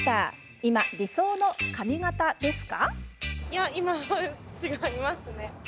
今、理想の髪形ですか？